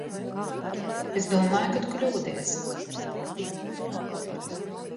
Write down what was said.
Es domāju, ka tu kļūdies.